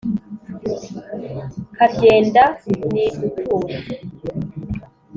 karyenda niguture